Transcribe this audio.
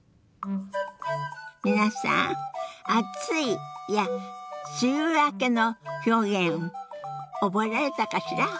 皆さん「暑い」や「梅雨明け」の表現覚えられたかしら。